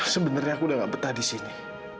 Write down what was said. sebenernya aku udah nggak betah di sini